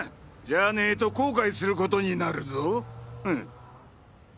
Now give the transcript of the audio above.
じゃねぇと後悔することになるぞうん。